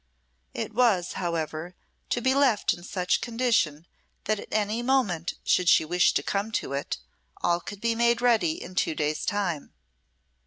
It was, however, to be left in such condition that at any moment, should she wish to come to it, all could be made ready in two days' time.